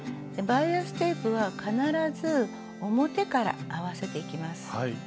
バイアステープは必ず表から合わせていきます。